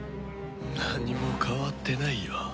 何も変わってないよ。